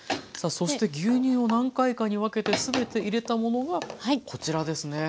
さあそして牛乳を何回かに分けて全て入れたものがこちらですね。